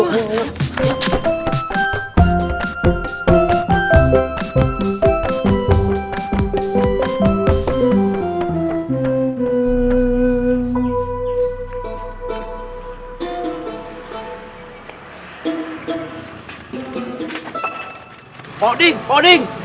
pak oding pak oding